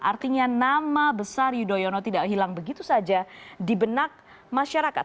artinya nama besar yudhoyono tidak hilang begitu saja di benak masyarakat